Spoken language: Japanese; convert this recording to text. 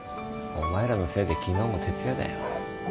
お前らのせいで昨日も徹夜だよ。